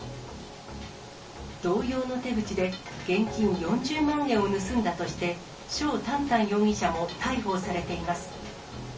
同様の手口で、現金４０万円を盗んだとして、肖丹丹容疑者も逮捕されています。